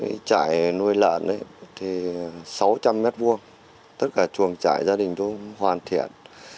ở cái chạy nuôi lợn thì sáu trăm linh mét vuông tất cả ch yeon và gia đình tôi hoàn thiện